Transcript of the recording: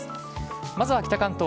まずは北関東。